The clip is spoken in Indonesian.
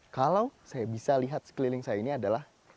kalau saya bisa lihat sekeliling saya ini adalah